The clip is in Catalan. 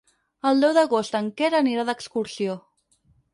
El deu d'agost en Quer anirà d'excursió.